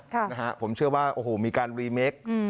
ค่ะนะฮะผมเชื่อว่าโอ้โหมีการรีเมคอืม